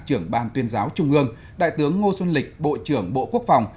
trưởng ban tuyên giáo trung ương đại tướng ngô xuân lịch bộ trưởng bộ quốc phòng